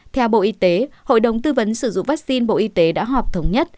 theo bộ y tế hội đồng tư vấn sử dụng vaccine bộ y tế đã họp thống nhất